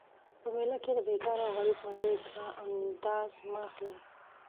په میله کي د بیکاره او غریب ملګري څخه انداز مه اخلئ